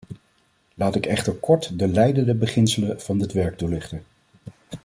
Laat ik echter kort de leidende beginselen van dit werk toelichten.